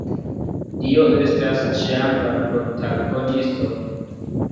Dio estas ĉiam la protagonisto.